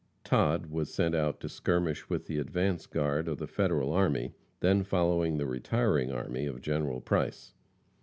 Todd was sent out to skirmish with the advance guard of the Federal army then following the retiring army of General Price.